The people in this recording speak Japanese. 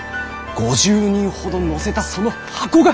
５０人ほどを乗せたその箱が。